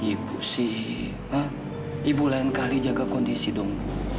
ibu si ibu lain kali jaga kondisi dong